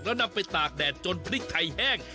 แล้วนำไปตากแดดจนพริกไทยแห้ง